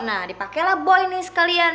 nah dipake lah boy nih sekalian